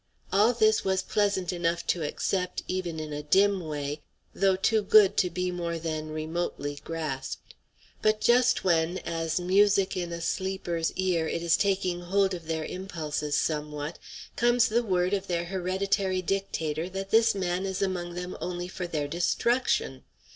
All this was pleasant enough to accept even in a dim way, though too good to be more than remotely grasped. But just when, as music in a sleeper's ear, it is taking hold of their impulses somewhat, comes the word of their hereditary dictator that this man is among them only for their destruction.